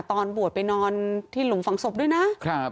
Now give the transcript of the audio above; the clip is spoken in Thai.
ตอนบวชไปนอนที่หลุมฝังศพด้วยนะครับ